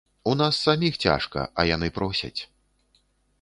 У нас саміх цяжка, а яны просяць.